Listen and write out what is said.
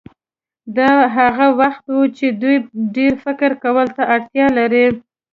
دا هغه وخت وي چې دوی ډېر فکر کولو ته اړتیا لري.